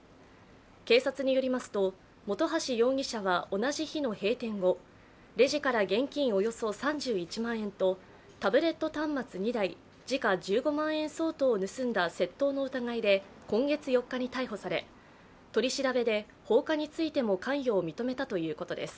警察によりますと、本橋容疑者は同じ日の閉店後、レジから現金およそ３１万円とタブレット端末２台時価１５万円相当を盗んだ窃盗の疑いで今月４日に逮捕され取り調べで放火についても関与を認めたということです。